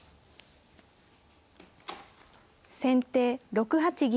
先手６八銀。